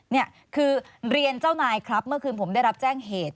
นี่คือเรียนเจ้านายครับเมื่อคืนผมได้รับแจ้งเหตุ